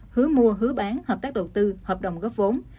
hứa mua hứa bán hợp tác đầu tư hợp đồng góp vốn